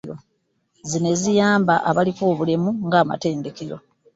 Zino eziyamba abaliko obulemu ng'amatendekero